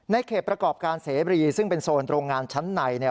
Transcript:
เขตประกอบการเสบรีซึ่งเป็นโซนโรงงานชั้นใน